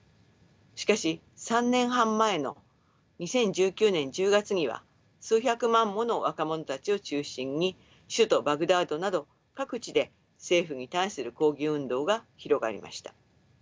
しかし３年半前の２０１９年１０月には数百万もの若者たちを中心に首都バグダッドなど各地で政府に対する抗議運動が広がりました。